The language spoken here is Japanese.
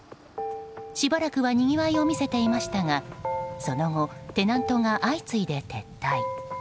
しばらくはにぎわいを見せていましたがその後、テナントが相次いで撤退。